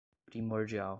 primordial